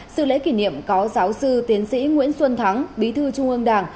sự lễ kỷ niệm có giáo sư tiến sĩ nguyễn xuân thắng bí thư trung ương đảng